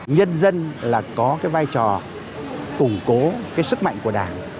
nhân dân là có cái vai trò củng cố cái sức mạnh của đảng